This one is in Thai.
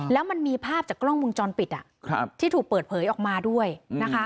แล้วมันมีภาพจากกล้องมุมจรปิดที่ถูกเปิดเผยออกมาด้วยนะคะ